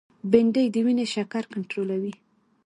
بېنډۍ د وینې شکر کنټرولوي